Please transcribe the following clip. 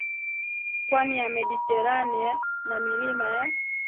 pwani ya Mediteranea na milima ya